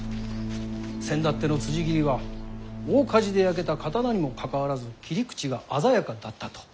せんだってのつじ斬りは大火事で焼けた刀にもかかわらず切り口が鮮やかだったと。